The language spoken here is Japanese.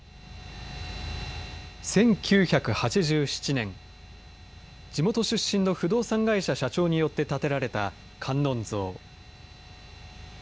１９８７年、地元出身の不動産会社社長によって建てられた観音像。